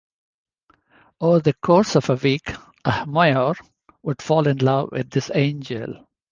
Over the course of a week, Ahmyor would fall in love with this angel.